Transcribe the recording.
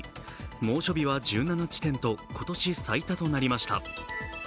猛暑日は１７地点と今年最多となりました。